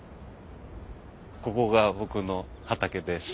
ここが僕の畑です。